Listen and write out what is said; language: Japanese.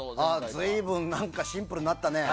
随分シンプルになったね。